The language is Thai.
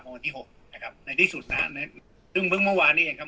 วันที่หกนะครับในที่สุดนะฮะซึ่งเพิ่งเมื่อวานนี้เองครับ